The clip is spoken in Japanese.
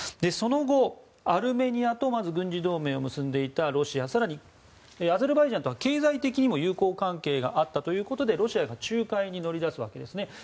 その後、アルメニアと軍事同盟を結んでいたロシア更に、アゼルバイジャンとは経済的にも友好関係があったということでロシアが仲介に乗り出すわけですね。